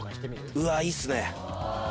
うわいいっすね。